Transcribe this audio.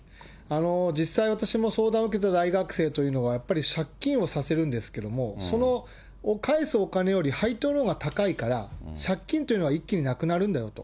実際、私も相談を受けた大学生というのは、やっぱり借金をさせるんですけれども、その返すお金より配当のほうが高いから、借金というのは一気になくなるんだよと。